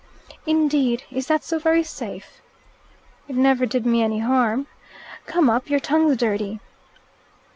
"Indeed. Is that so very safe?" "It never did me any harm. Come up! Your tongue's dirty."